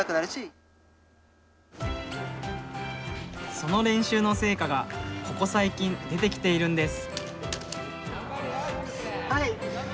その練習の成果がここ最近出てきているんです。